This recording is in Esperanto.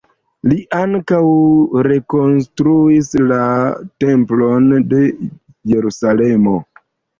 Li ankaŭ rekonstruis la Templon de Jerusalemo.